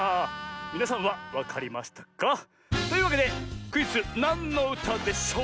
みなさんはわかりましたか？というわけでクイズ「なんのうたでしょう」